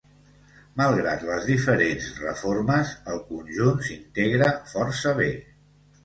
Malgrat les diferents reformes, el conjunt s'integra força bé.